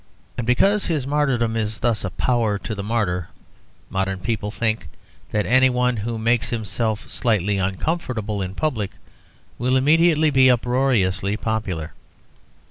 And because his martyrdom is thus a power to the martyr, modern people think that any one who makes himself slightly uncomfortable in public will immediately be uproariously popular.